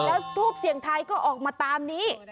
แล้วทูปเสียงไทยก็ออกมาตามนี้